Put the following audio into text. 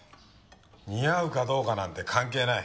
似合うかどうかなんて関係ない。